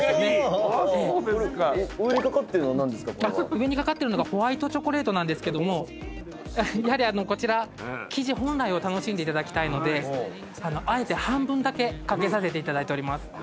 上に掛かってるのがホワイトチョコレートなんですけどもやはりこちら生地本来を楽しんでいただきたいのであえて半分だけ掛けさせていただいております。